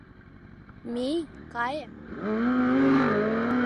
Мий, кае.